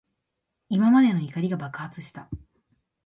今までの怒りが爆発した。